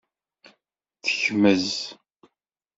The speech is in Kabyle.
Tekmez.